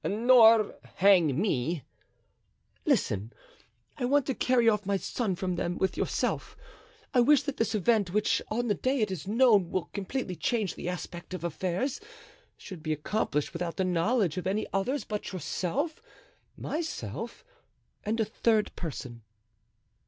"Nor hang me." "Listen. I want to carry off my son from them, with yourself. I wish that this event, which on the day it is known will completely change the aspect of affairs, should be accomplished without the knowledge of any others but yourself, myself, and a third person."